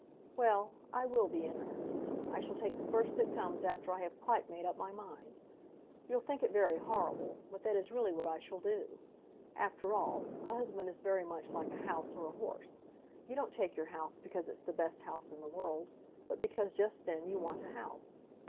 "Well; I will be in earnest. I shall take the first that comes after I have quite made up my mind. You'll think it very horrible, but that is really what I shall do. After all, a husband is very much like a house or a horse. You don't take your house because it's the best house in the world, but because just then you want a house.